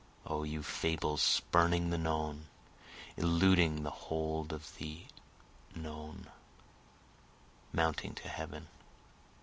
O you fables spurning the known, eluding the hold of the known, mounting to heaven!